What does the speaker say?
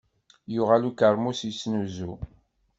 Yuɣal ukermus yettnuzu.